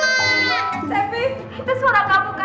cepi itu suara kamu kata